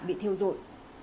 bị thiêu rụi